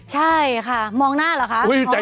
ใช่คะมองหน้าละคะ